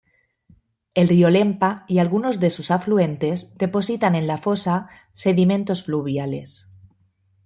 El río Lempa y algunos de sus afluentes depositan en la fosa sedimentos fluviales.